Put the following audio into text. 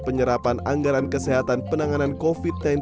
penyerapan anggaran kesehatan penanganan covid sembilan belas